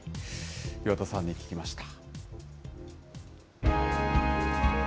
岩田さんに聞きました。